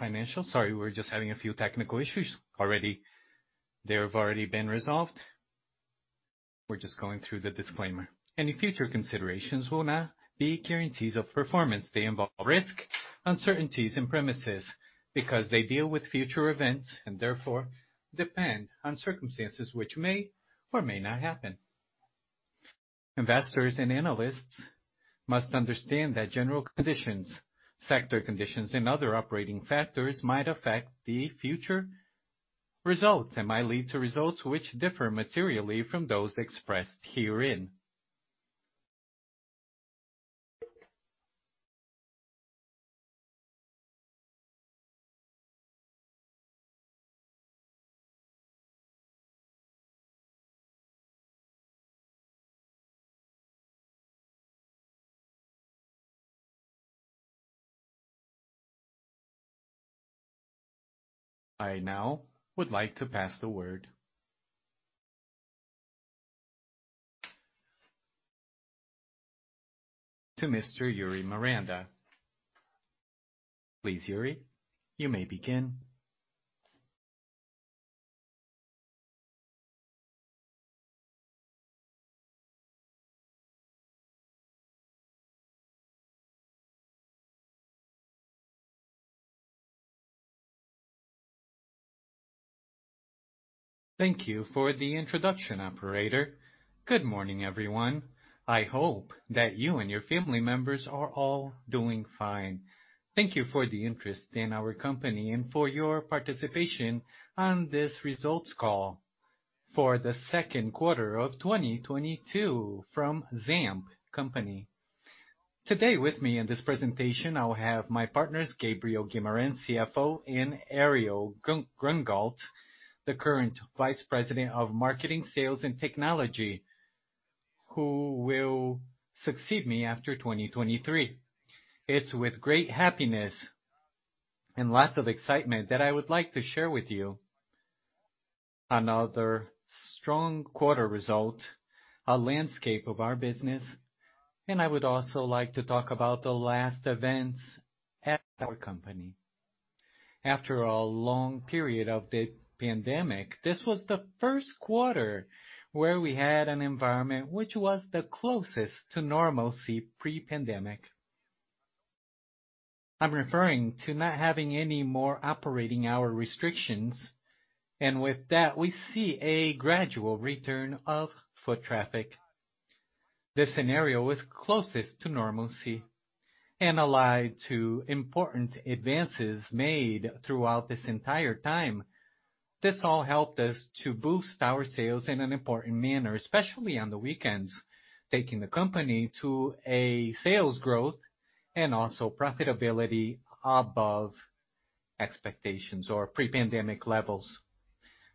Financial. Sorry, we're just having a few technical issues already. They have already been resolved. We're just going through the disclaimer. Any future considerations will not be guarantees of performance. They involve risk, uncertainties, and premises because they deal with future events, and therefore depend on circumstances which may or may not happen. Investors and analysts must understand that general conditions, sector conditions, and other operating factors might affect the future results and might lead to results which differ materially from those expressed herein. I now would like to pass the word to Mr. Iuri Miranda. Please, Iuri, you may begin. Thank you for the introduction, operator. Good morning, everyone. I hope that you and your family members are all doing fine. Thank you for the interest in our company and for your participation on this results call for the second quarter of 2022 from Zamp company. Today with me in this presentation, I'll have my partners, Gabriel Guimarães, CFO, and Ariel Grunkraut, the current Vice President of Marketing, Sales, and Technology, who will succeed me after 2023. It's with great happiness and lots of excitement that I would like to share with you another strong quarter result, a landscape of our business, and I would also like to talk about the last events at our company. After a long period of the pandemic, this was the first quarter where we had an environment which was the closest to normalcy pre-pandemic. I'm referring to not having any more operating hour restrictions, and with that, we see a gradual return of foot traffic. This scenario was closest to normalcy and allied to important advances made throughout this entire time. This all helped us to boost our sales in an important manner, especially on the weekends, taking the company to a sales growth and also profitability above expectations or pre-pandemic levels.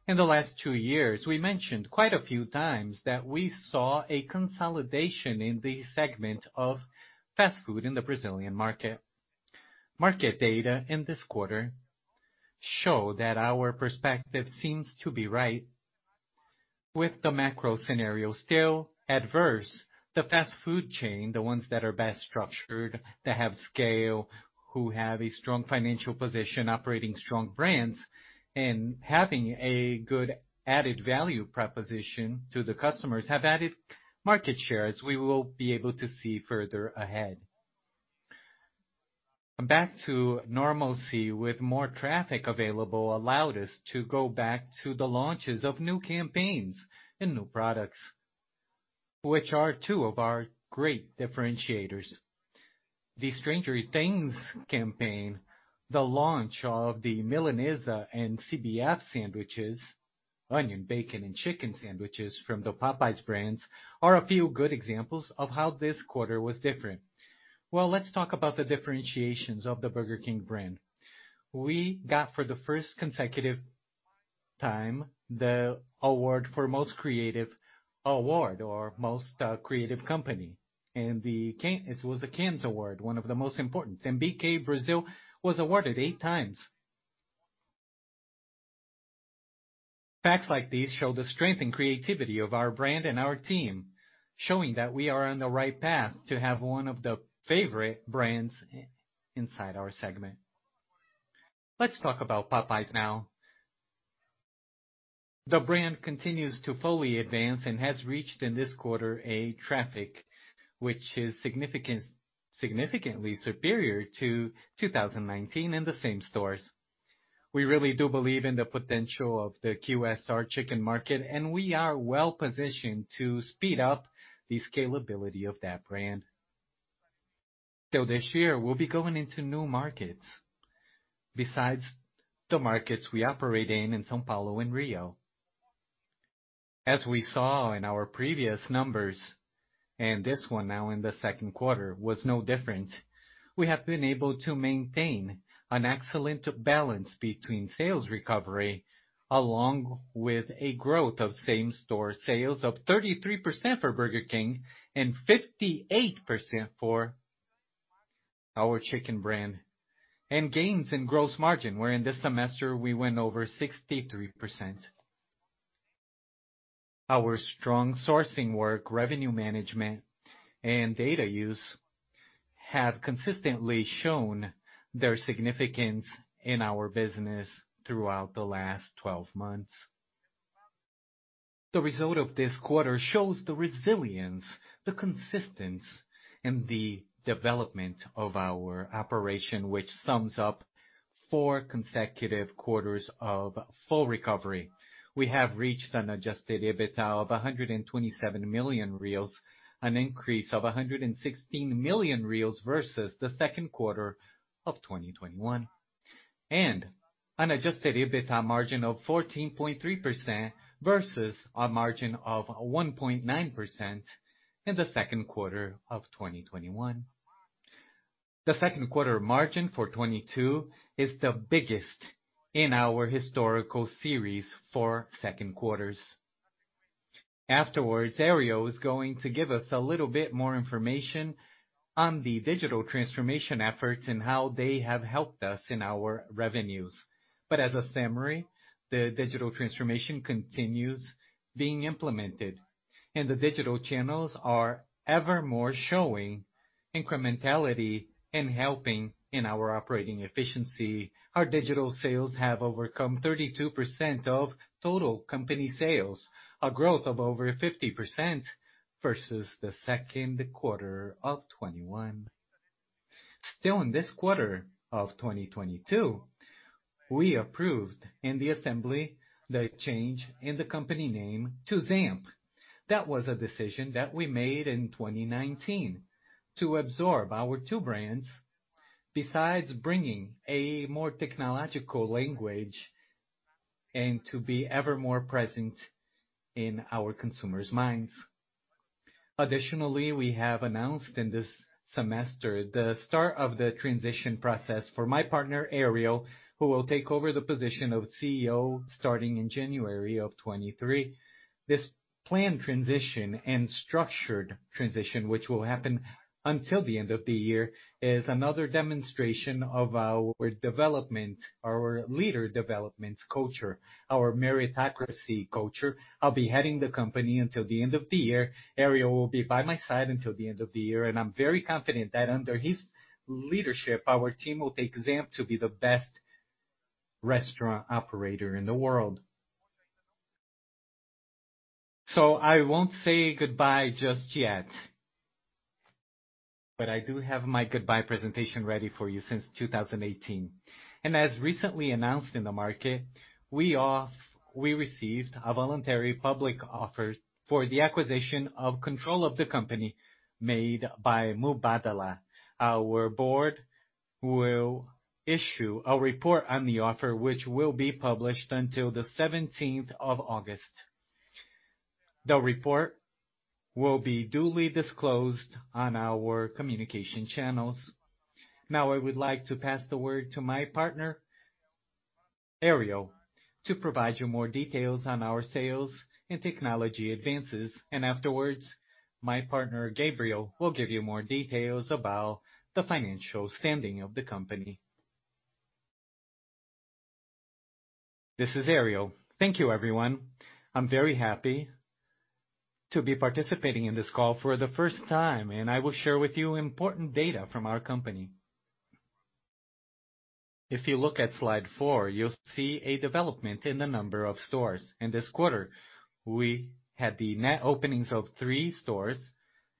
In the last two years, we mentioned quite a few times that we saw a consolidation in the segment of fast food in the Brazilian market. Market data in this quarter show that our perspective seems to be right. With the macro scenario still adverse, the fast food chain, the ones that are best structured, that have scale, who have a strong financial position, operating strong brands, and having a good added value proposition to the customers, have added market shares we will be able to see further ahead. Back to normalcy with more traffic available allowed us to go back to the launches of new campaigns and new products, which are two of our great differentiators. The Stranger Things campaign, the launch of the Milanesa and CBO sandwiches, onion, bacon, and chicken sandwiches from the Popeyes brands are a few good examples of how this quarter was different. Well, let's talk about the differentiations of the Burger King brand. We got for the first consecutive time the award for most creative award or most creative company, and it was the Cannes Lions, one of the most important. BK Brazil was awarded eight times. Facts like these show the strength and creativity of our brand and our team, showing that we are on the right path to have one of the favorite brands inside our segment. Let's talk about Popeyes now. The brand continues to fully advance and has reached in this quarter a traffic which is significantly superior to 2019 in the same stores. We really do believe in the potential of the QSR chicken market, and we are well-positioned to speed up the scalability of that brand. Still this year, we'll be going into new markets besides the markets we operate in São Paulo and Rio. As we saw in our previous numbers, and this one now in the second quarter was no different, we have been able to maintain an excellent balance between sales recovery, along with a growth of same-store sales of 33% for Burger King and 58% for our chicken brand, and gains in gross margin, where in this semester we went over 63%. Our strong sourcing work, revenue management, and data use have consistently shown their significance in our business throughout the last twelve months. The result of this quarter shows the resilience, the consistency, and the development of our operation, which sums up 4 consecutive quarters of full recovery. We have reached an adjusted EBITDA of 127 million, an increase of 116 million versus the second quarter of 2021, and an adjusted EBITDA margin of 14.3% versus a margin of 1.9% in the second quarter of 2021. The second quarter margin for 2022 is the biggest in our historical series for second quarters. Afterwards, Ariel is going to give us a little bit more information on the digital transformation efforts and how they have helped us in our revenues. As a summary, the digital transformation continues being implemented, and the digital channels are evermore showing incrementality and helping in our operating efficiency. Our digital sales have overcome 32% of total company sales, a growth of over 50% versus the second quarter of 2021. Still, in this quarter of 2022, we approved in the assembly the change in the company name to ZAMP. That was a decision that we made in 2019 to absorb our two brands, besides bringing a more technological language and to be evermore present in our consumers' minds. Additionally, we have announced in this semester the start of the transition process for my partner, Ariel, who will take over the position of CEO starting in January 2023. This planned transition and structured transition, which will happen until the end of the year, is another demonstration of our development, our leader development culture, our meritocracy culture. I'll be heading the company until the end of the year. Ariel will be by my side until the end of the year, and I'm very confident that under his leadership, our team will take Zamp to be the best restaurant operator in the world. I won't say goodbye just yet, but I do have my goodbye presentation ready for you since 2018. As recently announced in the market, we received a voluntary public offer for the acquisition of control of the company made by Mubadala. Our board will issue a report on the offer, which will be published until the seventeenth of August. The report will be duly disclosed on our communication channels. Now, I would like to pass the word to my partner, Ariel, to provide you more details on our sales and technology advances. Afterwards, my partner, Gabriel, will give you more details about the financial standing of the company. This is Ariel. Thank you, everyone. I'm very happy to be participating in this call for the first time, and I will share with you important data from our company. If you look at slide 4, you'll see a development in the number of stores. In this quarter, we had the net openings of 3 stores,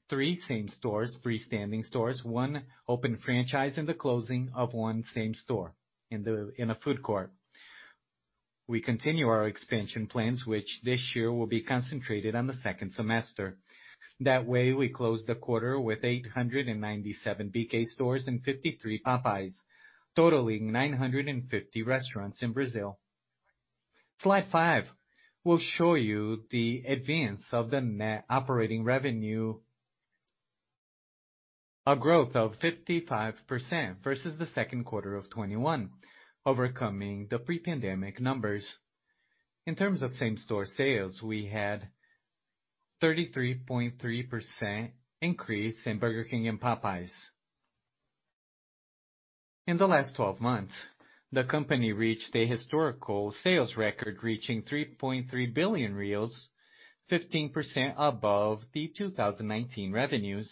3 same stores, freestanding stores, one open franchise, and the closing of one same store in a food court. We continue our expansion plans, which this year will be concentrated on the second semester. That way, we close the quarter with 897 BK stores and 53 Popeyes, totaling 950 restaurants in Brazil. Slide 5 will show you the advance of the net operating revenue. A growth of 55% versus the second quarter of 2021, overcoming the pre-pandemic numbers. In terms of same-store sales, we had a 33.3% increase in Burger King and Popeyes. In the last 12 months, the company reached a historical sales record, reaching 3.3 billion, 15% above the 2019 revenues.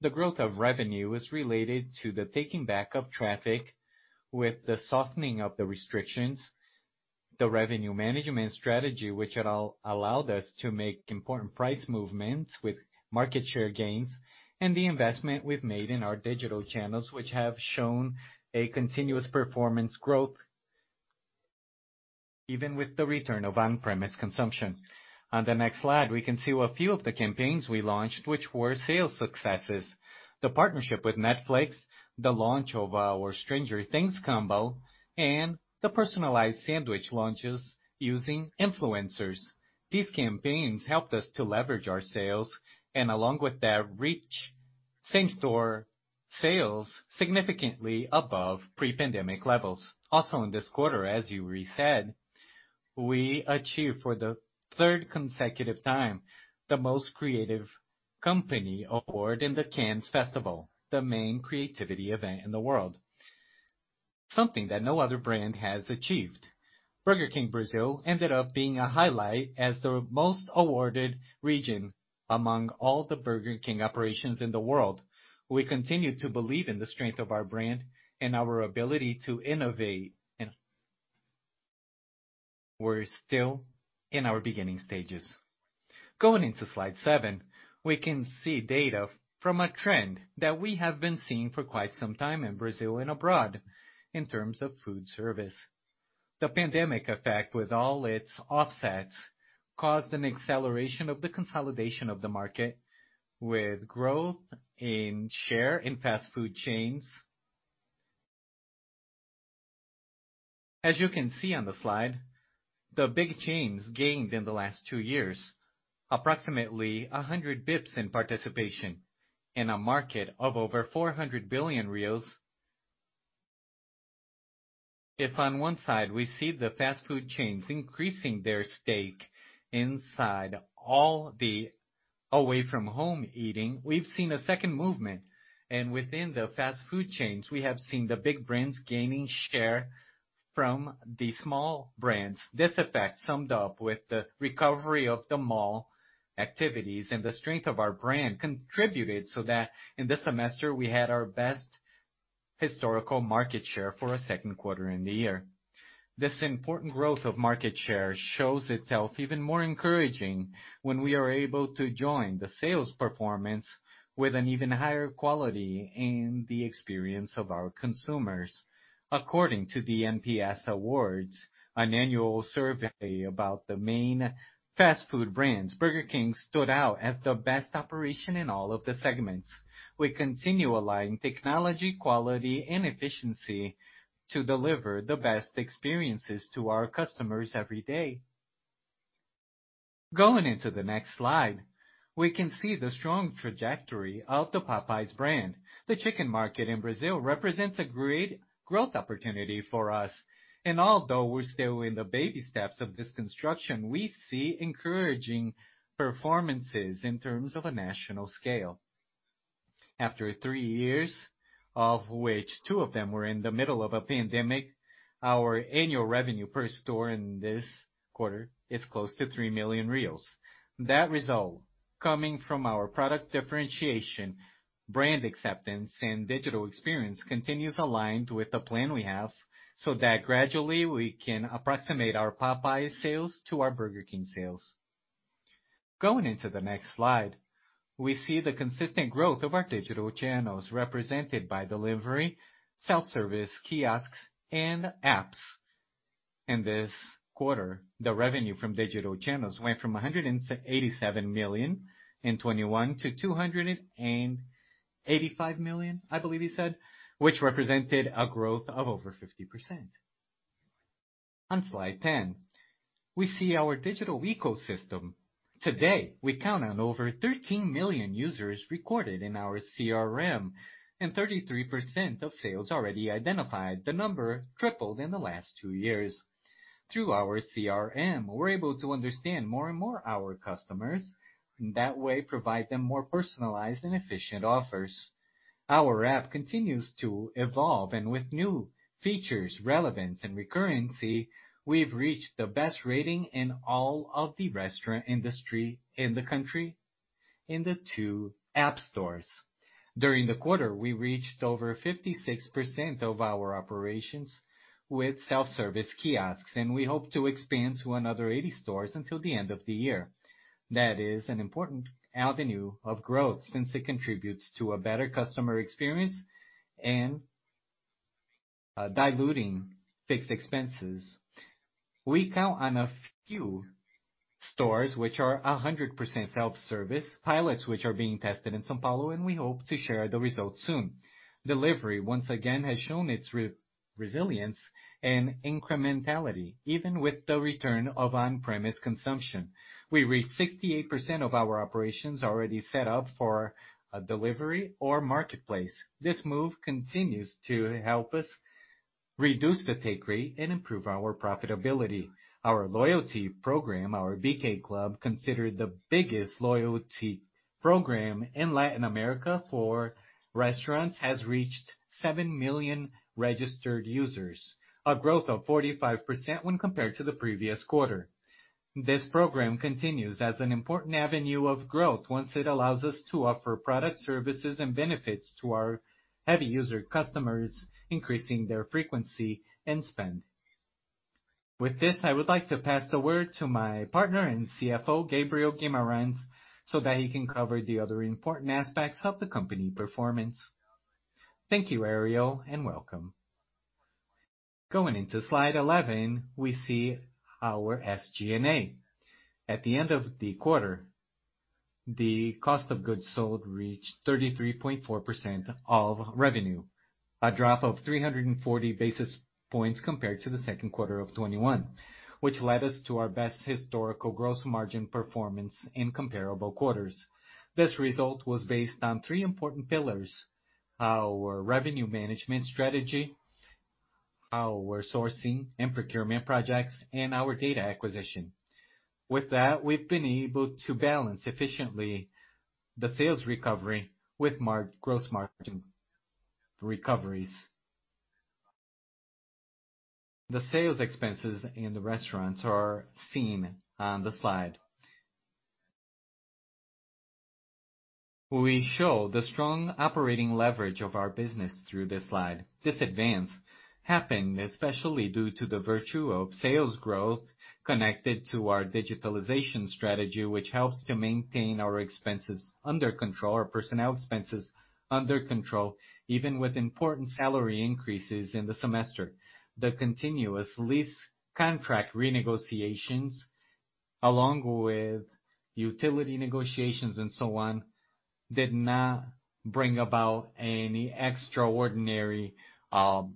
The growth of revenue is related to the taking back of traffic with the softening of the restrictions, the revenue management strategy, which it all allowed us to make important price movements with market share gains, and the investment we've made in our digital channels, which have shown a continuous performance growth even with the return of on-premise consumption. On the next slide, we can see a few of the campaigns we launched which were sales successes. The partnership with Netflix, the launch of our Stranger Things combo, and the personalized sandwich launches using influencers. These campaigns helped us to leverage our sales, and along with that reach, same-store sales significantly above pre-pandemic levels. Also in this quarter, as Iuri said, we achieved for the third consecutive time the most creative company award in the Cannes Lions, the main creativity event in the world. Something that no other brand has achieved. Burger King Brazil ended up being a highlight as the most awarded region among all the Burger King operations in the world. We continue to believe in the strength of our brand and our ability to innovate, and we're still in our beginning stages. Going into slide 7, we can see data from a trend that we have been seeing for quite some time in Brazil and abroad in terms of food service. The pandemic effect, with all its offsets, caused an acceleration of the consolidation of the market with growth in share in fast food chains. As you can see on the slide, the big chains gained in the last two years, approximately 100 basis points in participation in a market of over 400 billion reais. If on one side we see the fast food chains increasing their stake inside all the away from home eating, we've seen a second movement, and within the fast food chains, we have seen the big brands gaining share from the small brands. This effect summed up with the recovery of the mall activities and the strength of our brand contributed so that in this semester we had our best historical market share for a second quarter in the year. This important growth of market share shows itself even more encouraging when we are able to join the sales performance with an even higher quality in the experience of our consumers. According to the NPS Awards, an annual survey about the main fast food brands, Burger King stood out as the best operation in all of the segments. We continue allying technology, quality and efficiency to deliver the best experiences to our customers every day. Going into the next slide, we can see the strong trajectory of the Popeyes brand. The chicken market in Brazil represents a great growth opportunity for us. Although we're still in the baby steps of this construction, we see encouraging performances in terms of a national scale. After three years, of which two of them were in the middle of a pandemic, our annual revenue per store in this quarter is close to 3 million. That result, coming from our product differentiation, brand acceptance, and digital experience, continues aligned with the plan we have, so that gradually we can approximate our Popeyes sales to our Burger King sales. Going into the next slide, we see the consistent growth of our digital channels represented by delivery, self-service kiosks, and apps. In this quarter, the revenue from digital channels went from 187 million in 2021 to 285 million, I believe you said, which represented a growth of over 50%. On slide 10, we see our digital ecosystem. Today, we count on over 13 million users recorded in our CRM, and 33% of sales already identified. The number tripled in the last 2 years. Through our CRM, we're able to understand more and more our customers, and that way provide them more personalized and efficient offers. Our app continues to evolve, and with new features, relevance and recurrency, we've reached the best rating in all of the restaurant industry in the country in the 2 app stores. During the quarter, we reached over 56% of our operations with self-service kiosks, and we hope to expand to another 80 stores until the end of the year. That is an important avenue of growth since it contributes to a better customer experience and diluting fixed expenses. We count on a few stores which are 100% self-service, pilots which are being tested in São Paulo, and we hope to share the results soon. Delivery, once again, has shown its resilience and incrementality, even with the return of on-premise consumption. We reached 68% of our operations already set up for a delivery or marketplace. This move continues to help us reduce the take rate and improve our profitability. Our loyalty program, our BK Club, considered the biggest loyalty program in Latin America for restaurants, has reached 7 million registered users, a growth of 45% when compared to the previous quarter. This program continues as an important avenue of growth once it allows us to offer product services and benefits to our heavy user customers, increasing their frequency and spend. With this, I would like to pass the word to my partner and CFO, Gabriel Guimarães, so that he can cover the other important aspects of the company performance. Thank you, Ariel, and welcome. Going into slide 11, we see our SG&A. At the end of the quarter, the cost of goods sold reached 33.4% of revenue, a drop of 340 basis points compared to the second quarter of 2021, which led us to our best historical gross margin performance in comparable quarters. This result was based on three important pillars, our revenue management strategy, our sourcing and procurement projects, and our data acquisition. With that, we've been able to balance efficiently the sales recovery with gross margin recoveries. The sales expenses in the restaurants are seen on the slide. We show the strong operating leverage of our business through this slide. This advance happened especially by virtue of sales growth connected to our digitalization strategy, which helps to maintain our expenses under control, our personnel expenses under control, even with important salary increases in the semester. The continuous lease contract renegotiations, along with utility negotiations and so on, did not bring about any extraordinary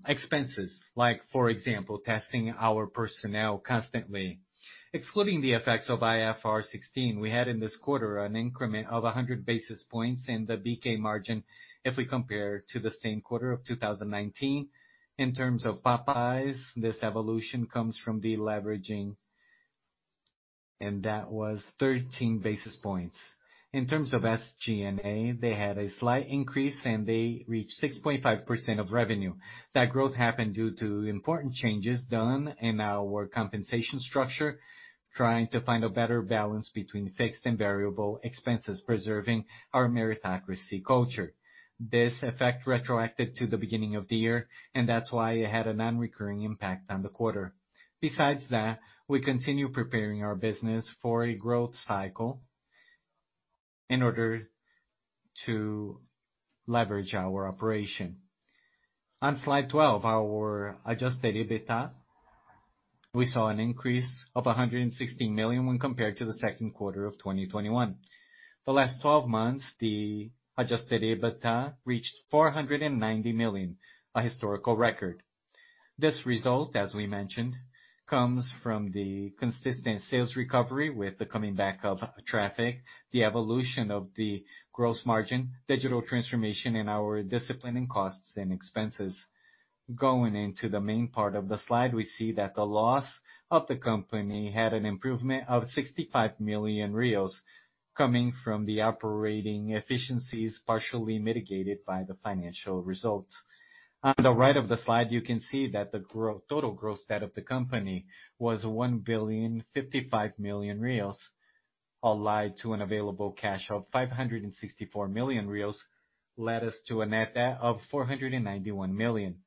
expenses, like for example, testing our personnel constantly. Excluding the effects of IFRS 16, we had in this quarter an increment of 100 basis points in the BK margin if we compare to the same quarter of 2019. In terms of Popeyes, this evolution comes from deleveraging, and that was 13 basis points. In terms of SG&A, they had a slight increase, and they reached 6.5% of revenue. That growth happened due to important changes done in our compensation structure, trying to find a better balance between fixed and variable expenses, preserving our meritocracy culture. This effect retroacted to the beginning of the year, and that's why it had a non-recurring impact on the quarter. Besides that, we continue preparing our business for a growth cycle in order to leverage our operation. On slide 12, our adjusted EBITDA, we saw an increase of 116 million when compared to the second quarter of 2021. The last twelve months, the adjusted EBITDA reached 490 million, a historical record. This result, as we mentioned, comes from the consistent sales recovery with the coming back of traffic, the evolution of the gross margin, digital transformation in our discipline and costs and expenses. Going into the main part of the slide, we see that the loss of the company had an improvement of 65 million coming from the operating efficiencies, partially mitigated by the financial results. On the right of the slide, you can see that the total gross debt of the company was 1.055 billion, allied to an available cash of 564 million, led us to a net debt of 491 million.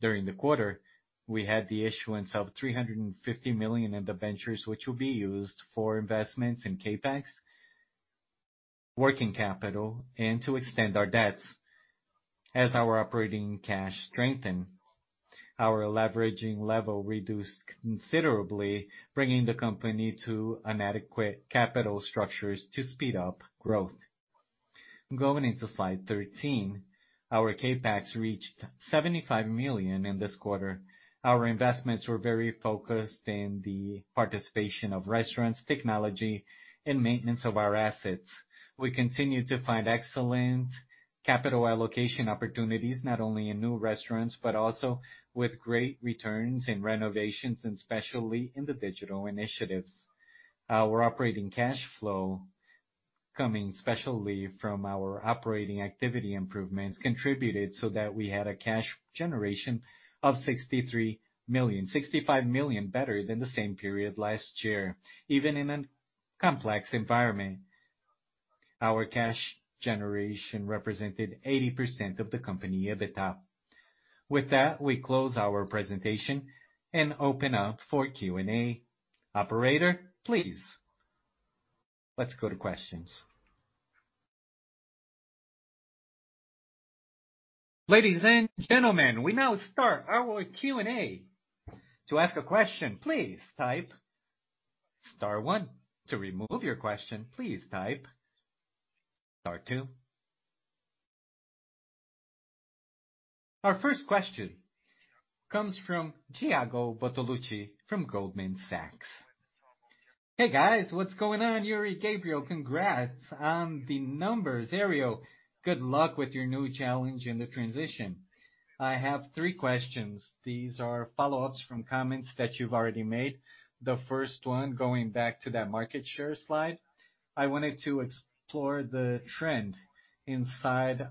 During the quarter, we had the issuance of 350 million in debentures, which will be used for investments in CapEx, working capital, and to extend our debts. As our operating cash strengthened, our leveraging level reduced considerably, bringing the company to an adequate capital structures to speed up growth. Going into slide 13, our CapEx reached 75 million in this quarter. Our investments were very focused in the participation of restaurants, technology, and maintenance of our assets. We continue to find excellent capital allocation opportunities, not only in new restaurants, but also with great returns in renovations, and especially in the digital initiatives. Our operating cash flow, coming especially from our operating activity improvements, contributed so that we had a cash generation of 63 million, 65 million better than the same period last year. Even in a complex environment, our cash generation represented 80% of the company EBITDA. With that, we close our presentation and open up for Q&A. Operator, please. Let's go to questions. Ladies and gentlemen, we now start our Q&A. To ask a question, please type star one. To remove your question, please type star two. Our first question comes from Thiago Bortoluci from Goldman Sachs. Hey, guys. What's going on? luri, Gabriel, congrats on the numbers. Ariel, good luck with your new challenge in the transition. I have three questions. These are follow-ups from comments that you've already made. The first one, going back to that market share slide, I wanted to explore the trend inside,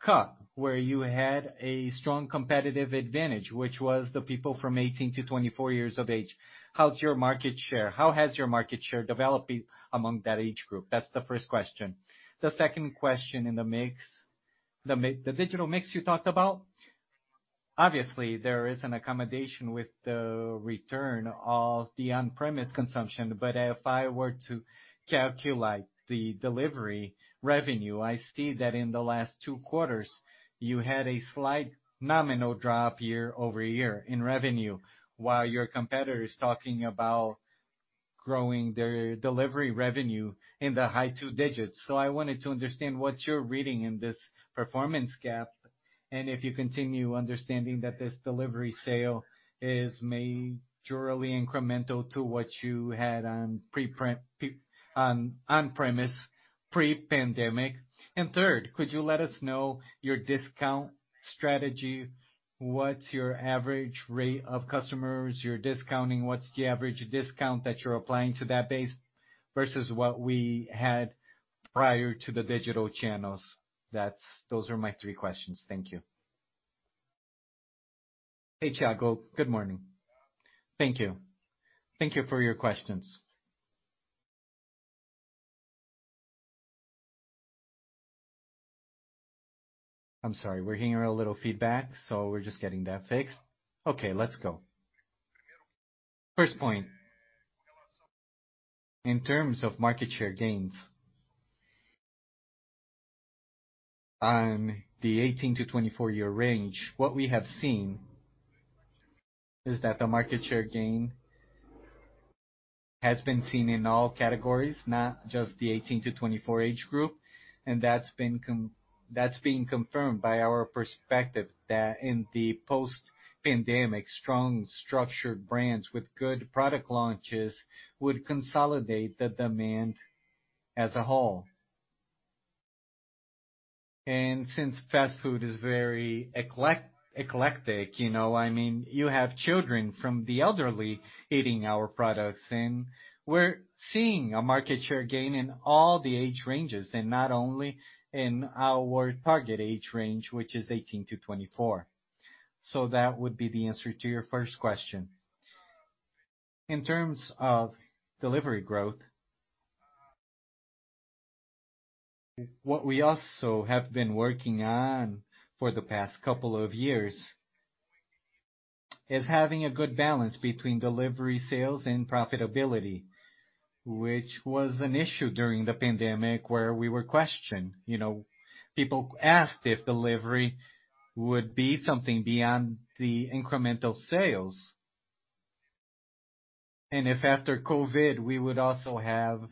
CUP, where you had a strong competitive advantage, which was the people from 18 to 24 years of age. How's your market share? How has your market share developing among that age group? That's the first question. The second question in the mix, the digital mix you talked about, obviously, there is an accommodation with the return of the on-premise consumption. But if I were to calculate the delivery revenue, I see that in the last 2 quarters, you had a slight nominal drop year-over-year in revenue, while your competitor is talking about growing their delivery revenue in the high 2 digits. I wanted to understand what you're reading in this performance gap, and if you continue understanding that this delivery sale is majorly incremental to what you had on premise pre-pandemic. Third, could you let us know your discount strategy? What's your average rate of customers you're discounting? What's the average discount that you're applying to that base versus what we had prior to the digital channels? That's those are my three questions. Thank you. Hey, Tiago. Good morning. Thank you. Thank you for your questions. I'm sorry, we're hearing a little feedback, so we're just getting that fixed. Okay, let's go. First point, in terms of market share gains on the 18-24 year range, what we have seen is that the market share gain has been seen in all categories, not just the 18-24 age group. That's been confirmed by our perspective that in the post-pandemic, strong structured brands with good product launches would consolidate the demand as a whole. Since fast food is very eclectic, you know, I mean, you have children from the elderly eating our products, and we're seeing a market share gain in all the age ranges, and not only in our target age range, which is 18 to 24. That would be the answer to your first question. In terms of delivery growth, what we also have been working on for the past couple of years is having a good balance between delivery sales and profitability, which was an issue during the pandemic, where we were questioned. You know, people asked if delivery would be something beyond the incremental sales, and if after COVID, we would also have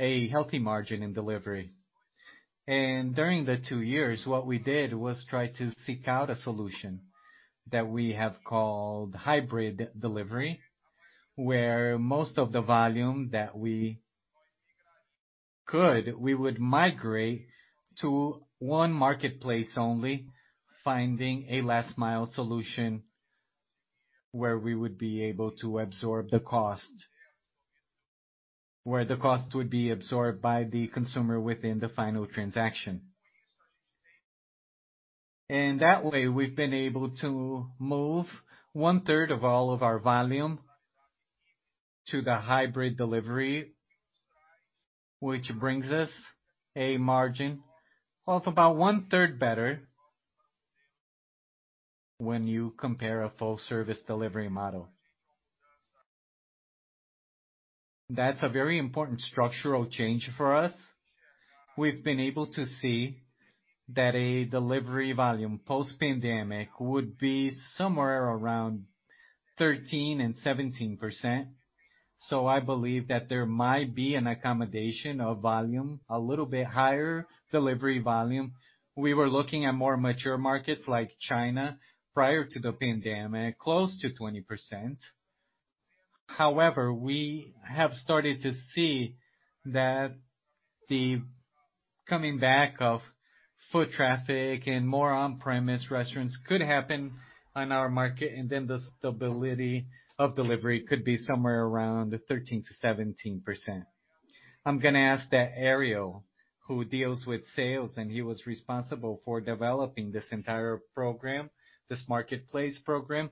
a healthy margin in delivery. During the two years, what we did was try to seek out a solution that we have called hybrid delivery, where most of the volume that we could, we would migrate to one marketplace only, finding a last mile solution where we would be able to absorb the cost. Where the cost would be absorbed by the consumer within the final transaction. That way, we've been able to move one-third of all of our volume to the hybrid delivery, which brings us a margin of about one-third better when you compare a full service delivery model. That's a very important structural change for us. We've been able to see that a delivery volume post-pandemic would be somewhere around 13%-17%. I believe that there might be an accommodation of volume, a little bit higher delivery volume. We were looking at more mature markets like China prior to the pandemic, close to 20%. However, we have started to see that the coming back of foot traffic and more on-premise restaurants could happen on our market, and then the stability of delivery could be somewhere around 13%-17%. I'm gonna ask that Ariel, who deals with sales, and he was responsible for developing this entire program, this marketplace program,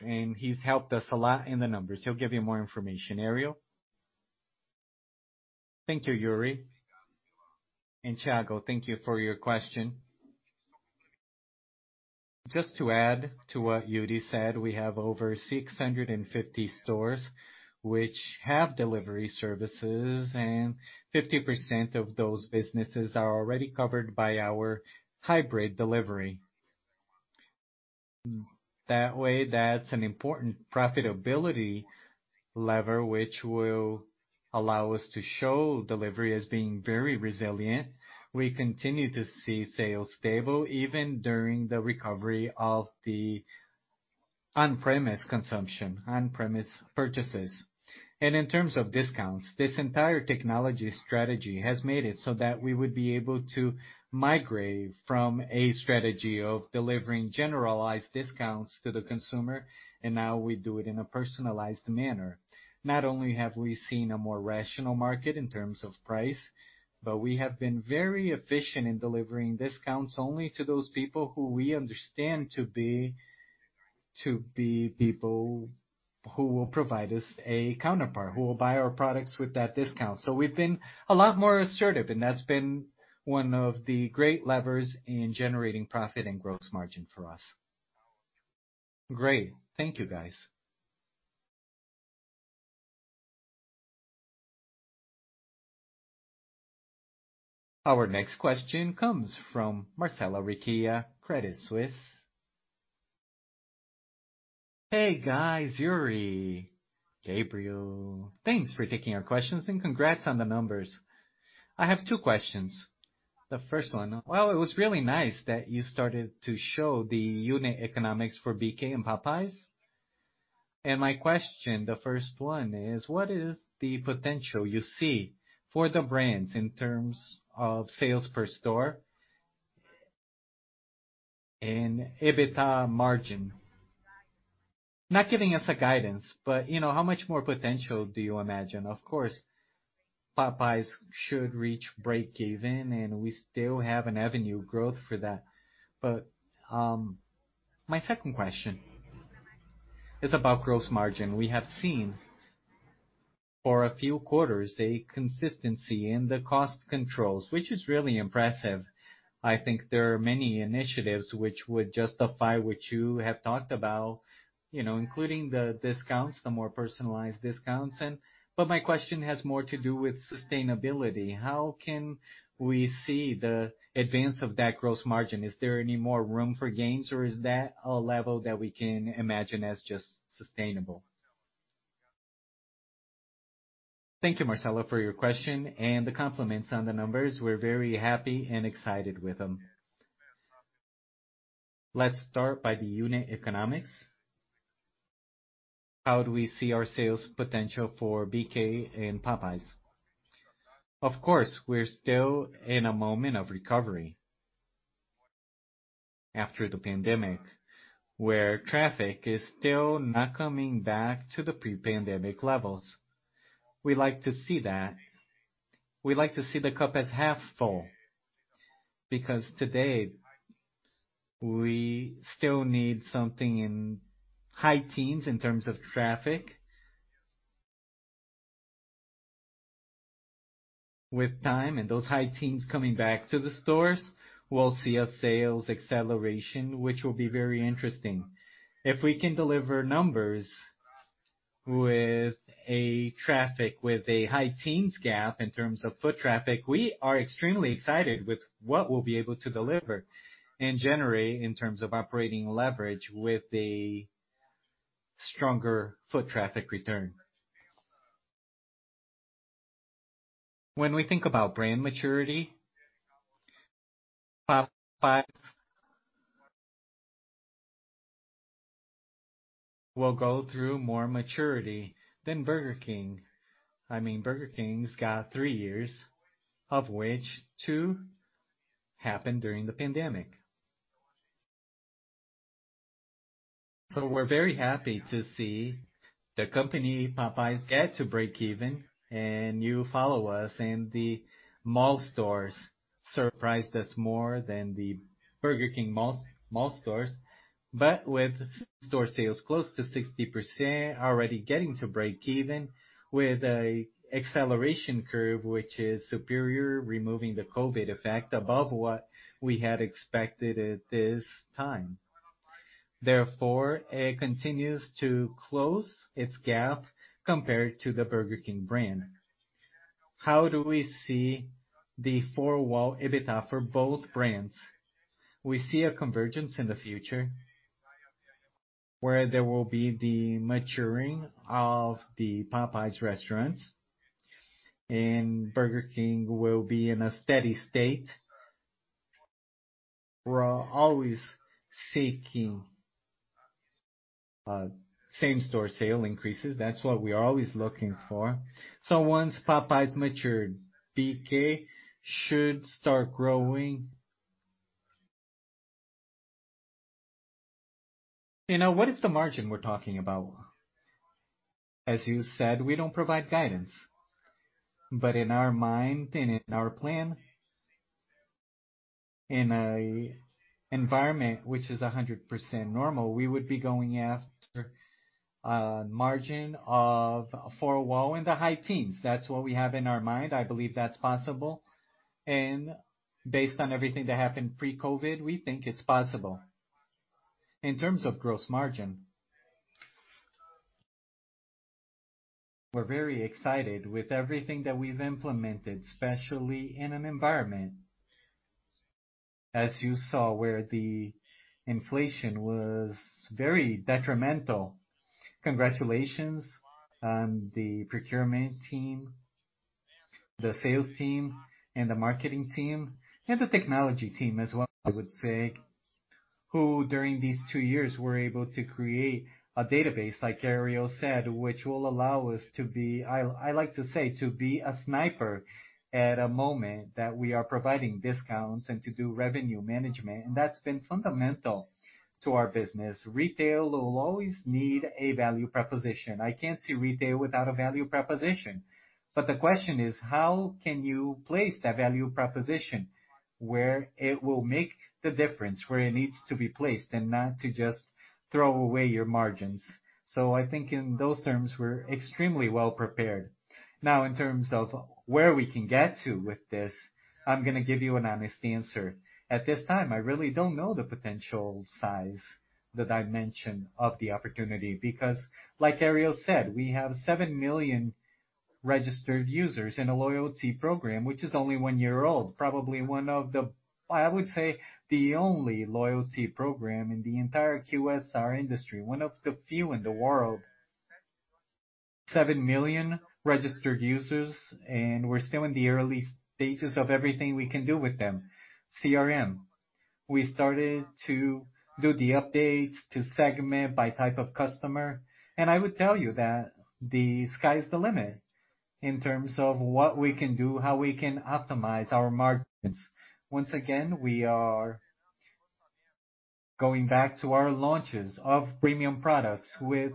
and he's helped us a lot in the numbers. He'll give you more information. Ariel. Thank you, Yuri. Tiago, thank you for your question. Just to add to what Yuri said, we have over 650 stores which have delivery services, and 50% of those businesses are already covered by our hybrid delivery. That way, that's an important profitability lever, which will allow us to show delivery as being very resilient. We continue to see sales stable, even during the recovery of the on-premise consumption, on-premise purchases. In terms of discounts, this entire technology strategy has made it so that we would be able to migrate from a strategy of delivering generalized discounts to the consumer, and now we do it in a personalized manner. Not only have we seen a more rational market in terms of price, but we have been very efficient in delivering discounts only to those people who we understand to be people who will provide us a counterpart, who will buy our products with that discount. We've been a lot more assertive, and that's been one of the great levers in generating profit and gross margin for us. Great. Thank you, guys. Our next question comes from Marcella Recchia, Credit Suisse. Hey, guys. Iuri, Gabriel, thanks for taking our questions. Congrats on the numbers. I have two questions. The first one: well, it was really nice that you started to show the unit economics for BK and Popeyes. And my question, the first one is what is the potential you see for the brands in terms of sales per store and EBITDA margin? Not giving us a guidance, but you know, how much more potential do you imagine? Of course, Popeyes should reach breakeven and we still have avenues for growth for that. But my second question is about gross margin. We have seen for a few quarters a consistency in the cost controls, which is really impressive. I think there are many initiatives which would justify what you have talked about, you know, including the discounts, the more personalized discounts, but my question has more to do with sustainability. How can we see the advance of that gross margin? Is there any more room for gains, or is that a level that we can imagine as just sustainable? Thank you, Marcella, for your question and the compliments on the numbers. We're very happy and excited with them. Let's start by the unit economics. How do we see our sales potential for BK and Popeyes? Of course, we're still in a moment of recovery after the pandemic, where traffic is still not coming back to the pre-pandemic levels. We like to see that. We like to see the cup as half full, because today we still need something in high teens in terms of traffic. With time and those high teens coming back to the stores, we'll see a sales acceleration, which will be very interesting. If we can deliver numbers with a traffic, with a high-teens gap in terms of foot traffic, we are extremely excited with what we'll be able to deliver and generate in terms of operating leverage with a stronger foot traffic return. When we think about brand maturity, Popeyes will go through more maturity than Burger King. I mean, Burger King's got 3 years, of which 2 happened during the pandemic. We're very happy to see the company Popeyes get to breakeven, and you follow us, and the mall stores surprised us more than the Burger King malls, mall stores. With store sales close to 60% already getting to breakeven with an acceleration curve which is superior, removing the COVID effect above what we had expected at this time. Therefore, it continues to close its gap compared to the Burger King brand. How do we see the four-wall EBITDA for both brands? We see a convergence in the future where there will be the maturing of the Popeyes restaurants and Burger King will be in a steady state. We're always seeking same-store sales increases. That's what we are always looking for. Once Popeyes matured, BK should start growing. You know, what is the margin we're talking about? As you said, we don't provide guidance. In our mind and in our plan, in a environment which is 100% normal, we would be going after a margin of four-wall in the high teens. That's what we have in our mind. I believe that's possible. Based on everything that happened pre-COVID, we think it's possible. In terms of gross margin, we're very excited with everything that we've implemented, especially in an environment as you saw where the inflation was very detrimental. Congratulations on the procurement team, the sales team and the marketing team, and the technology team as well, I would say, who during these two years were able to create a database, like Ariel said, which will allow us to be. I like to say, to be a sniper at a moment that we are providing discounts and to do revenue management, and that's been fundamental to our business. Retail will always need a value proposition. I can't see retail without a value proposition. The question is how can you place that value proposition where it will make the difference, where it needs to be placed and not to just throw away your margins. I think in those terms we're extremely well prepared. Now in terms of where we can get to with this, I'm gonna give you an honest answer. At this time, I really don't know the potential size, the dimension of the opportunity because like Ariel said, we have 7 million registered users in a loyalty program which is only one year old. Probably one of the I would say the only loyalty program in the entire QSR industry, one of the few in the world. 7 million registered users, and we're still in the early stages of everything we can do with them. CRM, we started to do the updates to segment by type of customer, and I would tell you that the sky is the limit in terms of what we can do, how we can optimize our margins. Once again, we are going back to our launches of premium products with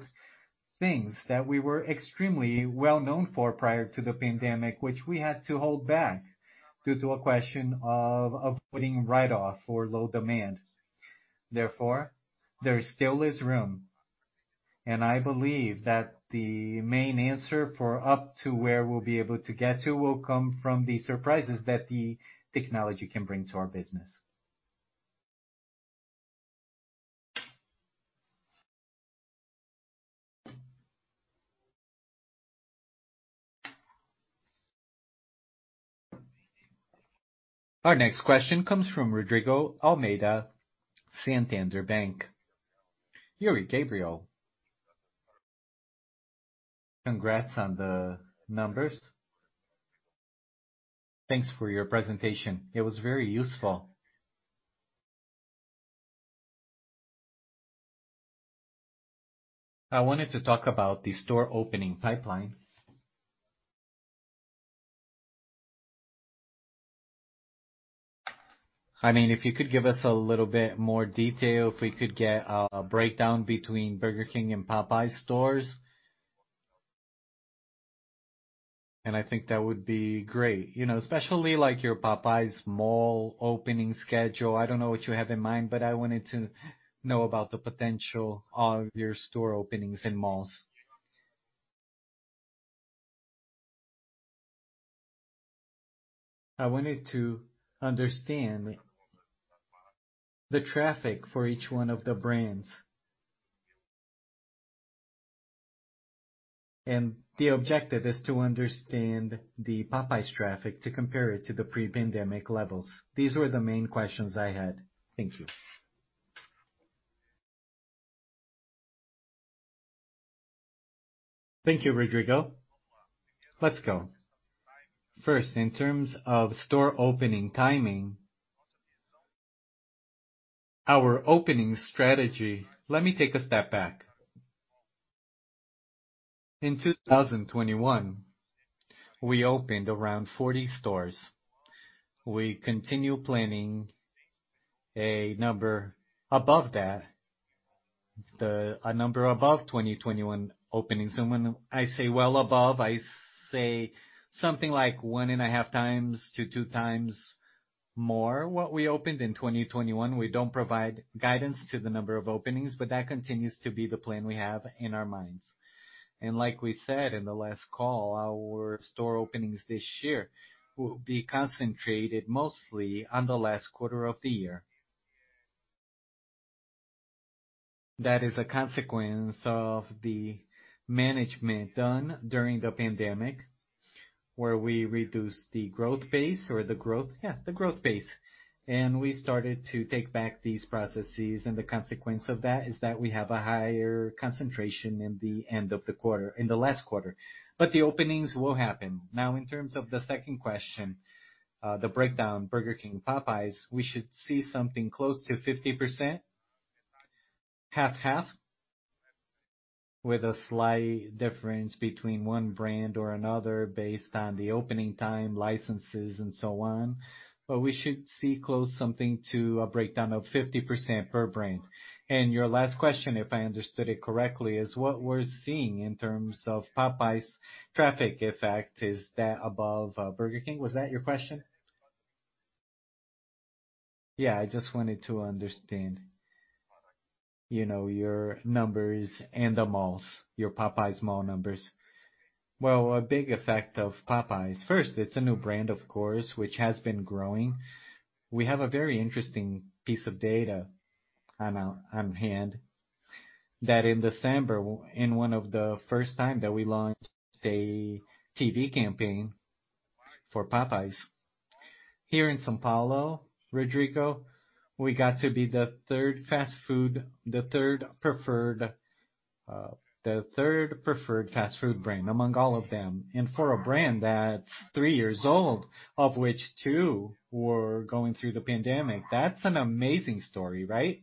things that we were extremely well-known for prior to the pandemic, which we had to hold back due to a question of putting write-off for low demand. Therefore, there still is room, and I believe that the main answer for up to where we'll be able to get to will come from the surprises that the technology can bring to our business. Our next question comes from Rodrigo Almeida, Santander Bank. Yuri, Gabriel. Congrats on the numbers. Thanks for your presentation. It was very useful. I wanted to talk about the store opening pipeline. I mean, if you could give us a little bit more detail, if we could get a breakdown between Burger King and Popeyes stores. I think that would be great. You know, especially like your Popeyes mall opening schedule. I don't know what you have in mind, but I wanted to know about the potential of your store openings in malls. I wanted to understand the traffic for each one of the brands. The objective is to understand the Popeyes traffic to compare it to the pre-pandemic levels. These were the main questions I had. Thank you. Thank you, Rodrigo. Let's go. First, in terms of store opening timing. Our opening strategy. Let me take a step back. In 2021, we opened around 40 stores. We continue planning a number above that, a number above 2021 openings. When I say well above, I say something like 1.5 times to 2 times more what we opened in 2021. We don't provide guidance to the number of openings, but that continues to be the plan we have in our minds. Like we said in the last call, our store openings this year will be concentrated mostly on the last quarter of the year. That is a consequence of the management done during the pandemic, where we reduced the growth pace or the growth pace. We started to take back these processes, and the consequence of that is that we have a higher concentration in the end of the quarter, in the last quarter. The openings will happen. Now, in terms of the second question, the breakdown, Burger King, Popeyes, we should see something close to 50%, half half, with a slight difference between one brand or another based on the opening time, licenses, and so on. We should see close to something a breakdown of 50% per brand. Your last question, if I understood it correctly, is what we're seeing in terms of Popeyes traffic effect, is that above Burger King? Was that your question? Yeah, I just wanted to understand, you know, your numbers and the malls, your Popeyes mall numbers. Well, a big effect of Popeyes. First, it's a new brand, of course, which has been growing. We have a very interesting piece of data on hand that in December, in one of the first time that we launched a TV campaign for Popeyes here in São Paulo, Rodrigo, we got to be the third preferred fast food brand among all of them. For a brand that's three years old, of which two were going through the pandemic, that's an amazing story, right?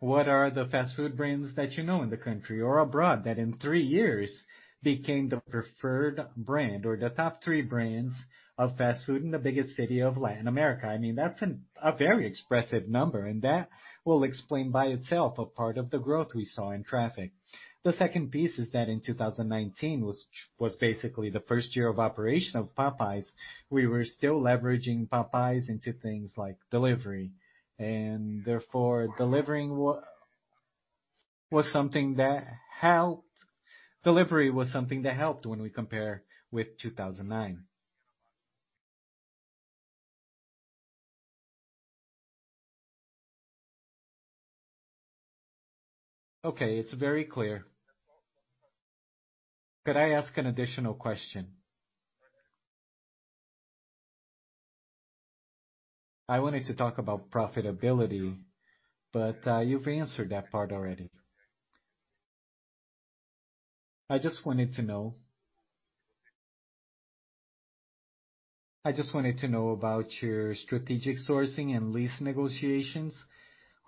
What are the fast food brands that you know in the country or abroad that in three years became the preferred brand or the top three brands of fast food in the biggest city of Latin America? I mean, that's a very expressive number, and that will explain by itself a part of the growth we saw in traffic. The second piece is that in 2019, which was basically the first year of operation of Popeyes, we were still leveraging Popeyes into things like delivery and therefore, delivering was something that helped. Delivery was something that helped when we compare with 2009. It's very clear. Could I ask an additional question? I wanted to talk about profitability, but you've answered that part already. I just wanted to know about your strategic sourcing and lease negotiations.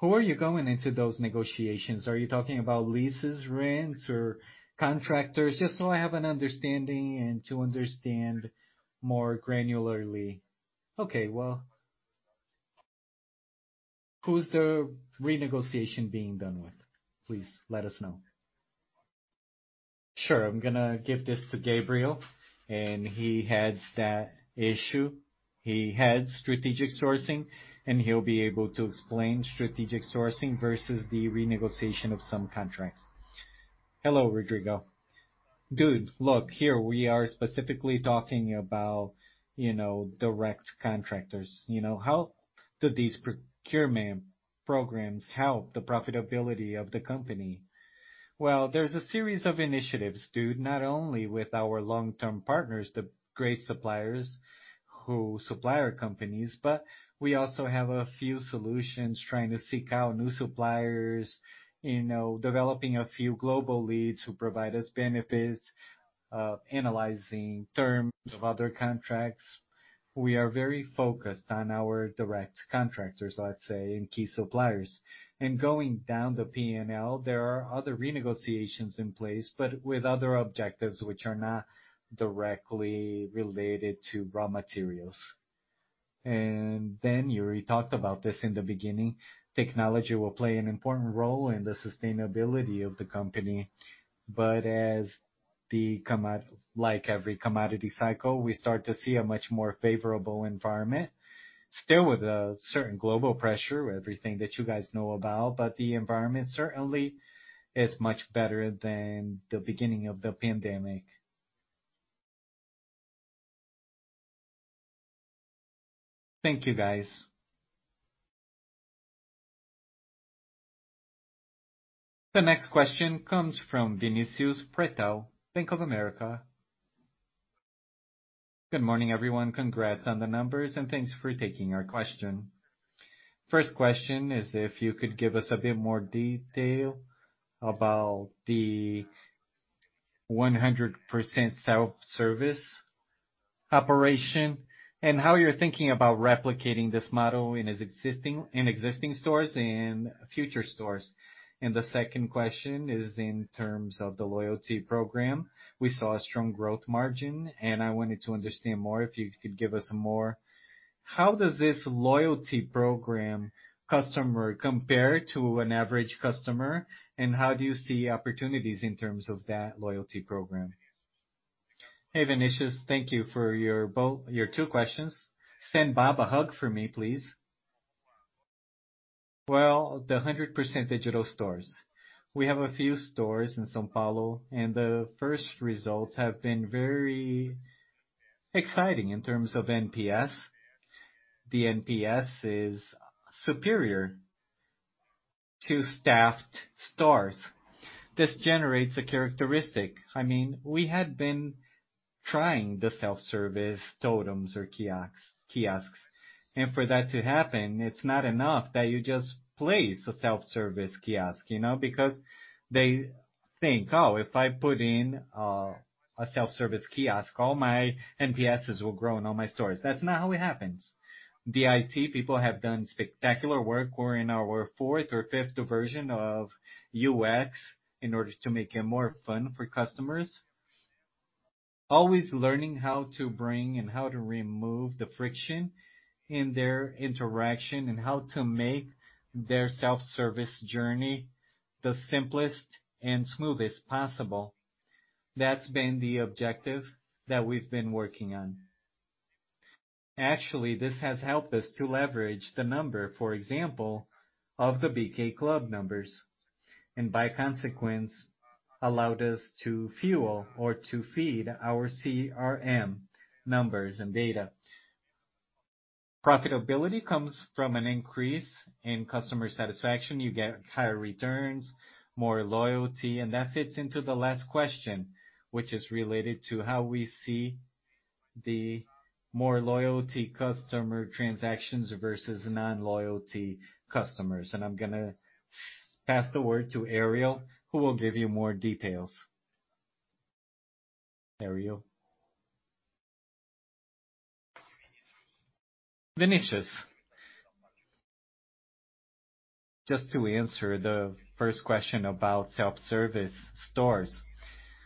Who are you going into those negotiations? Are you talking about leases, rents or contractors? Just so I have an understanding and to understand more granularly. Okay. Who's the renegotiation being done with? Please let us know. Sure. I'm gonna give this to Gabriel, and he heads that issue. He heads strategic sourcing, and he'll be able to explain strategic sourcing versus the renegotiation of some contracts. Hello, Rodrigo. Dude, look, here we are specifically talking about, you know, direct contractors. You know, how do these procurement programs help the profitability of the company? Well, there's a series of initiatives, dude, not only with our long-term partners, the great suppliers who supply our companies, but we also have a few solutions trying to seek out new suppliers, you know, developing a few global leads who provide us benefits, analyzing terms of other contracts. We are very focused on our direct contractors, I'd say, and key suppliers. Going down the P&L, there are other renegotiations in place, but with other objectives which are not directly related to raw materials. Then, Iuri talked about this in the beginning, technology will play an important role in the sustainability of the company. Like every commodity cycle, we start to see a much more favorable environment, still with a certain global pressure, everything that you guys know about, but the environment certainly is much better than the beginning of the pandemic. Thank you, guys. The next question comes from Vinicius Pretto, Bank of America. Good morning, everyone. Congrats on the numbers, and thanks for taking our question. First question is if you could give us a bit more detail about the 100% self-service operation and how you're thinking about replicating this model in existing stores and future stores. The second question is in terms of the loyalty program. We saw a strong growth margin, and I wanted to understand more, if you could give us more. How does this loyalty program customer compare to an average customer, and how do you see opportunities in terms of that loyalty program? Hey, Vinicius. Thank you for your two questions. Send Bob a hug for me, please. Well, the 100% digital stores. We have a few stores in São Paulo, and the first results have been very exciting in terms of NPS. The NPS is superior to staffed stores. This generates a characteristic. I mean, we had been trying the self-service totems or kiosks. For that to happen, it's not enough that you just place a self-service kiosk, you know, because they think, "Oh, if I put in a self-service kiosk, all my NPSs will grow in all my stores." That's not how it happens. The IT people have done spectacular work. We're in our fourth or fifth version of UX in order to make it more fun for customers. Always learning how to bring and how to remove the friction in their interaction and how to make their self-service journey the simplest and smoothest possible. That's been the objective that we've been working on. Actually, this has helped us to leverage the number, for example, of the BK Club numbers, and by consequence, allowed us to fuel or to feed our CRM numbers and data. Profitability comes from an increase in customer satisfaction. You get higher returns, more loyalty, and that fits into the last question, which is related to how we see the more loyalty customer transactions versus non-loyalty customers. I'm gonna pass the word to Ariel Grunkraut, who will give you more details. Ariel Grunkraut. Vinicius Pretto. Just to answer the first question about self-service stores.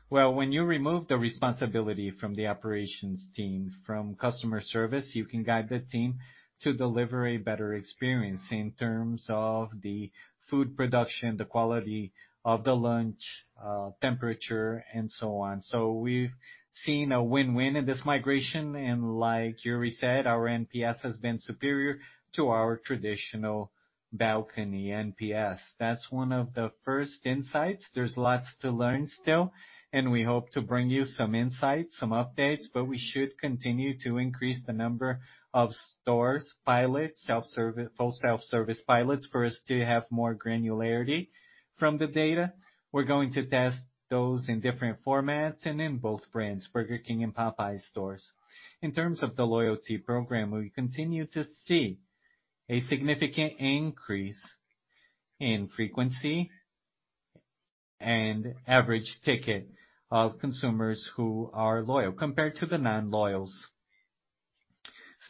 Well, when you remove the responsibility from the operations team, from customer service, you can guide the team to deliver a better experience in terms of the food production, the quality of the lunch, temperature, and so on. So we've seen a win-win in this migration. Like Iuri Miranda said, our NPS has been superior to our traditional balcony NPS. That's one of the first insights. There's lots to learn still, and we hope to bring you some insights, some updates, but we should continue to increase the number of stores pilot, self-service, post self-service pilots for us to have more granularity from the data. We're going to test those in different formats and in both brands, Burger King and Popeyes stores. In terms of the loyalty program, we continue to see a significant increase in frequency and average ticket of consumers who are loyal compared to the non-loyals.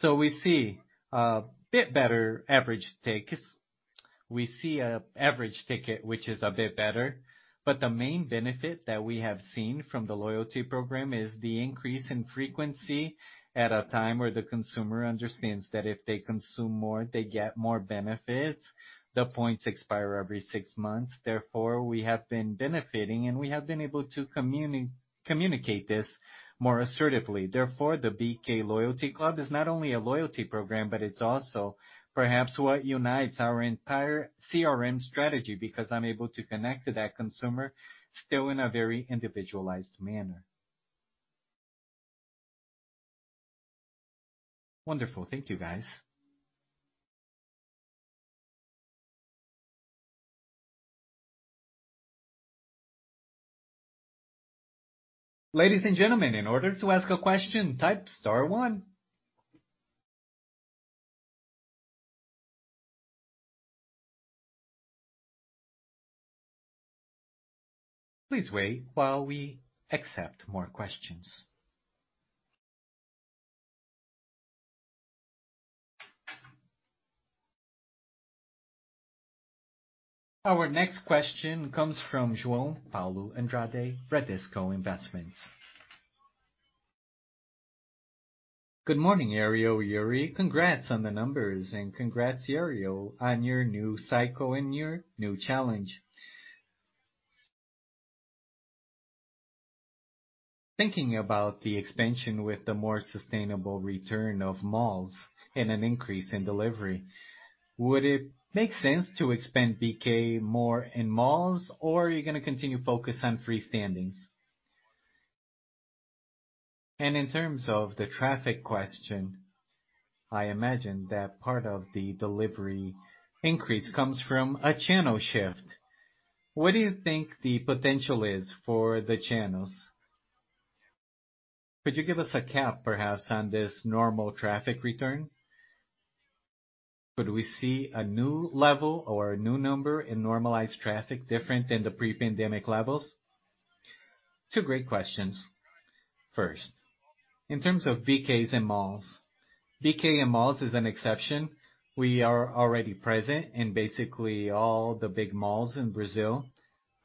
We see a bit better average tickets. We see a average ticket which is a bit better, but the main benefit that we have seen from the loyalty program is the increase in frequency at a time where the consumer understands that if they consume more, they get more benefits. The points expire every six months, therefore we have been benefiting, and we have been able to communicate this more assertively. Therefore, the BK Loyalty Club is not only a loyalty program, but it's also perhaps what unites our entire CRM strategy, because I'm able to connect to that consumer still in a very individualized manner. Wonderful. Thank you, guys. Ladies and gentlemen, in order to ask a question, type star one. Please wait while we accept more questions. Our next question comes from João Paulo Andrade, Bradesco BBI. Good morning, Ariel, Iuri. Congrats on the numbers, and congrats, Ariel, on your new cycle and your new challenge. Thinking about the expansion with the more sustainable return of malls and an increase in delivery, would it make sense to expand BK more in malls or are you gonna continue focus on freestanding? In terms of the traffic question, I imagine that part of the delivery increase comes from a channel shift. What do you think the potential is for the channels? Could you give us a cap perhaps on this normal traffic return? Could we see a new level or a new number in normalized traffic different than the pre-pandemic levels? Two great questions. First, in terms of BKs and malls. BK and malls is an exception. We are already present in basically all the big malls in Brazil.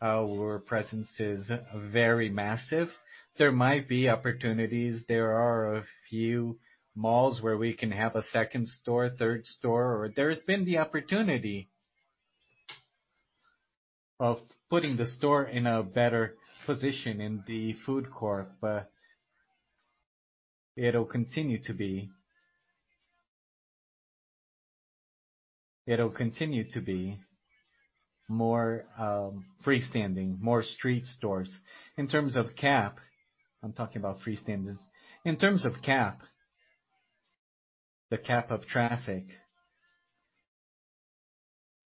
Our presence is very massive. There might be opportunities. There are a few malls where we can have a second store, third store. Or there has been the opportunity of putting the store in a better position in the food court. But it'll continue to be, it'll continue to be more, freestanding, more street stores. In terms of gap, the gap of traffic,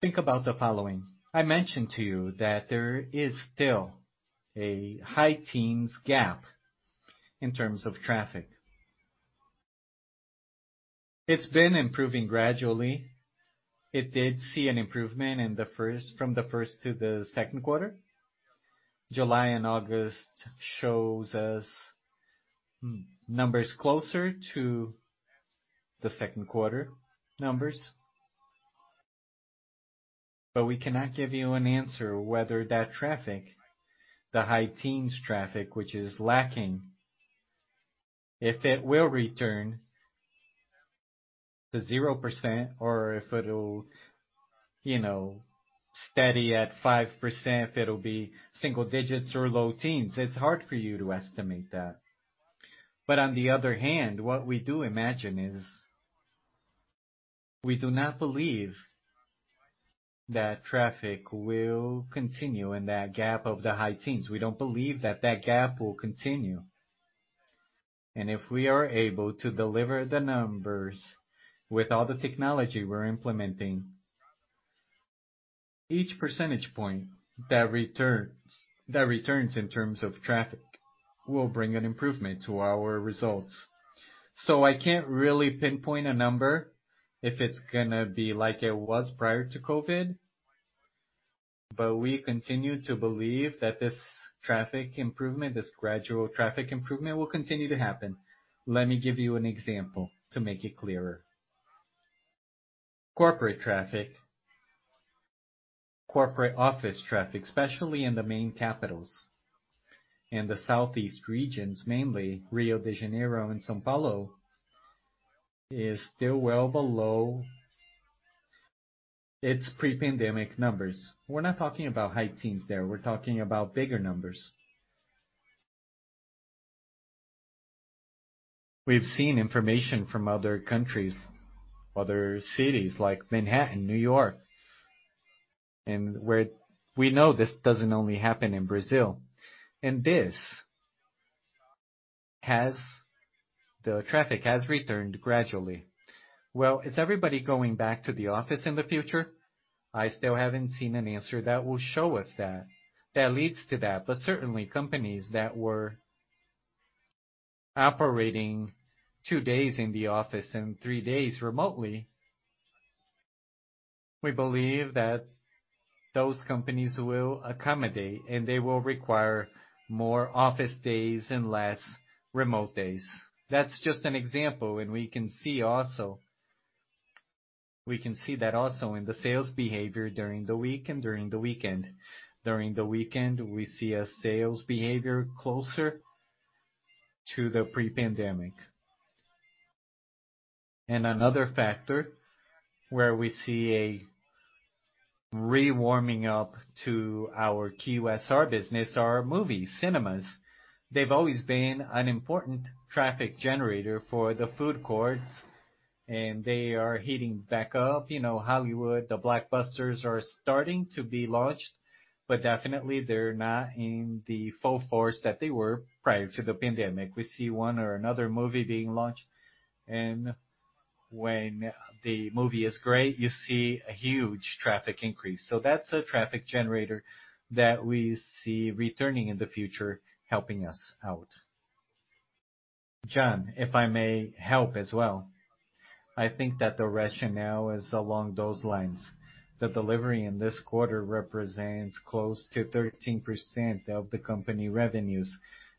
think about the following: I mentioned to you that there is still a high-teens gap in terms of traffic. It's been improving gradually. It did see an improvement from the first to the second quarter. July and August shows us numbers closer to the second quarter numbers. We cannot give you an answer whether that traffic, the high-teens traffic, which is lacking, if it will return to 0% or if it'll, you know, steady at 5%, if it'll be single digits or low teens. It's hard for you to estimate that. On the other hand, what we do imagine is, we do not believe that traffic will continue in that gap of the high teens. We don't believe that that gap will continue. If we are able to deliver the numbers with all the technology we're implementing, each percentage point that returns in terms of traffic will bring an improvement to our results. I can't really pinpoint a number if it's gonna be like it was prior to COVID, but we continue to believe that this traffic improvement, this gradual traffic improvement will continue to happen. Let me give you an example to make it clearer. Corporate office traffic, especially in the main capitals in the southeast regions, mainly Rio de Janeiro and São Paulo, is still well below its pre-pandemic numbers. We're not talking about high teens there, we're talking about bigger numbers. We've seen information from other countries, other cities like Manhattan, New York, and we know this doesn't only happen in Brazil. The traffic has returned gradually. Well, is everybody going back to the office in the future? I still haven't seen an answer that will show us that leads to that. Certainly companies that were operating two days in the office and three days remotely. We believe that those companies will accommodate, and they will require more office days and less remote days. That's just an example, and we can see that also in the sales behavior during the week and during the weekend. During the weekend, we see a sales behavior closer to the pre-pandemic. Another factor where we see a rewarming up to our key QSR business are movies, cinemas. They've always been an important traffic generator for the food courts, and they are heating back up. You know, Hollywood, the blockbusters are starting to be launched, but definitely they're not in the full force that they were prior to the pandemic. We see one or another movie being launched, and when the movie is great, you see a huge traffic increase. That's a traffic generator that we see returning in the future helping us out. John, if I may help as well. I think that the rationale is along those lines. The delivery in this quarter represents close to 13% of the company revenues,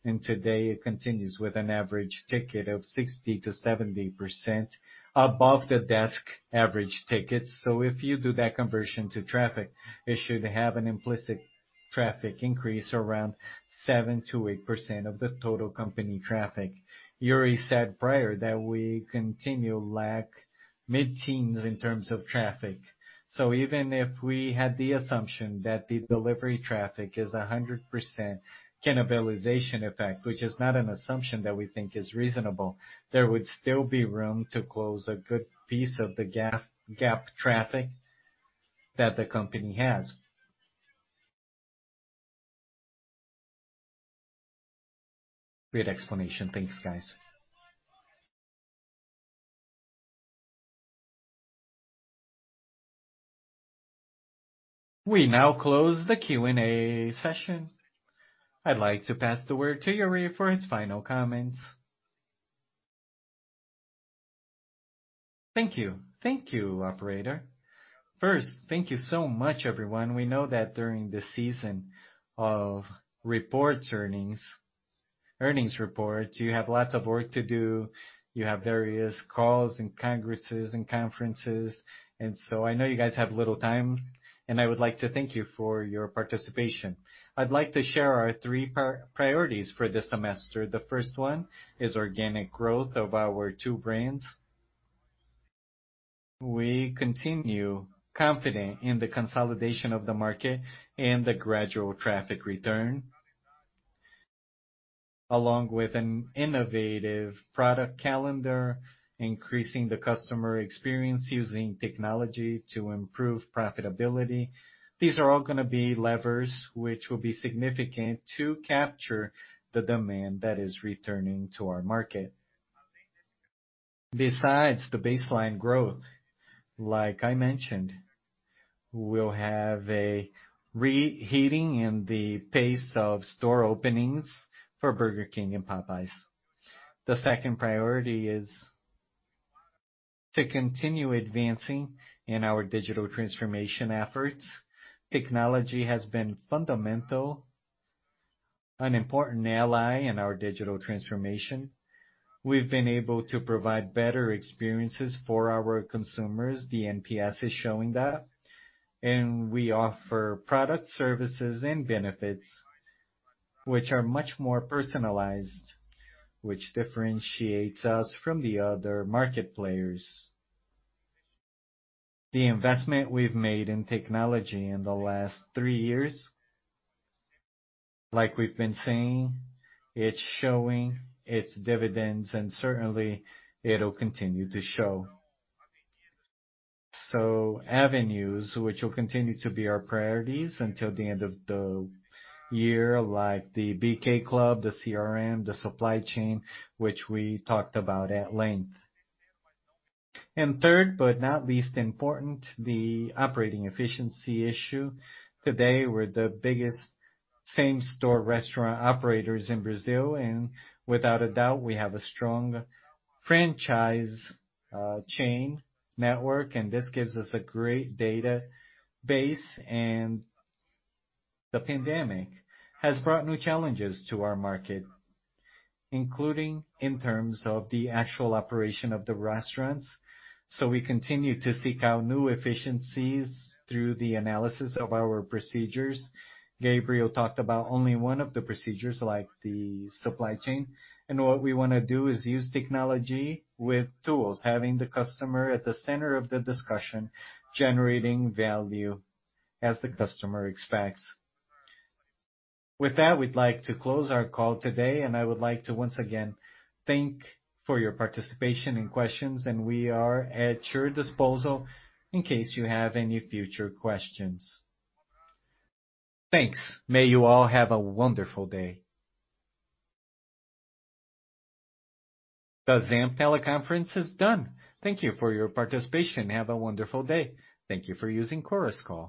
and today it continues with an average ticket of 60%-70% above the desk average tickets. If you do that conversion to traffic, it should have an implicit traffic increase around 7%-8% of the total company traffic. luri said prior that we continue lack mid-teens in terms of traffic. Even if we had the assumption that the delivery traffic is 100% cannibalization effect, which is not an assumption that we think is reasonable, there would still be room to close a good piece of the gap traffic that the company has. Great explanation. Thanks, guys. We now close the Q&A session. I'd like to pass the word to Iuri for his final comments. Thank you. Thank you, operator. First, thank you so much, everyone. We know that during the season of earnings reports, you have lots of work to do, you have various calls and congresses and conferences, and so I know you guys have little time, and I would like to thank you for your participation. I'd like to share our three priorities for this semester. The first one is organic growth of our two brands. We continue confident in the consolidation of the market and the gradual traffic return, along with an innovative product calendar, increasing the customer experience using technology to improve profitability. These are all gonna be levers which will be significant to capture the demand that is returning to our market. Besides the baseline growth, like I mentioned, we'll have a reheating in the pace of store openings for Burger King and Popeyes. The second priority is to continue advancing in our digital transformation efforts. Technology has been fundamental, an important ally in our digital transformation. We've been able to provide better experiences for our consumers. The NPS is showing that. We offer product services and benefits which are much more personalized, which differentiates us from the other market players. The investment we've made in technology in the last three years, like we've been saying, it's showing its dividends, and certainly it'll continue to show. Avenues which will continue to be our priorities until the end of the year, like the BK Club, the CRM, the supply chain, which we talked about at length. Third, but not least important, the operating efficiency issue. Today, we're the biggest same-store restaurant operators in Brazil, and without a doubt, we have a strong franchise, chain network, and this gives us a great database. The pandemic has brought new challenges to our market, including in terms of the actual operation of the restaurants. We continue to seek out new efficiencies through the analysis of our procedures. Gabriel talked about only one of the procedures, like the supply chain. What we wanna do is use technology with tools, having the customer at the center of the discussion, generating value as the customer expects. With that, we'd like to close our call today, and I would like to once again thank you for your participation and questions, and we are at your disposal in case you have any future questions. Thanks. May you all have a wonderful day. The ZAMP teleconference is done. Thank you for your participation. Have a wonderful day. Thank you for using Chorus Call.